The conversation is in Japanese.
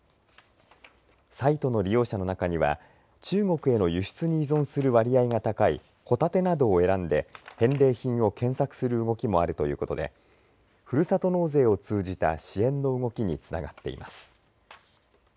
サイトの利用者の中には中国への輸出に依存する割合が高い帆立てなどを選んで返礼品を検索する動きもあるということでふるさと納税を通じた支援の動きにつながっています。